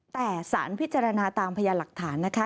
แต่สารพิจารณาตามพยานหลักฐานนะคะ